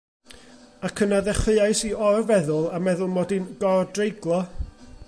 Ac yna dechreuais i or-feddwl a meddwl mod i'n gor-dreiglo!